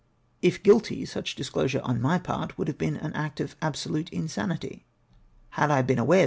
If guilty, such disclosure on my part would have been an act of absolute insanity. Had I been aware VOL.